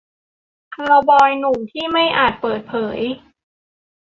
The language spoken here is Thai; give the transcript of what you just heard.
คาวบอยหนุ่มที่ไม่อาจเปิดเผย